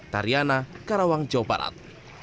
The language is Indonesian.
tariana karawang jawa barat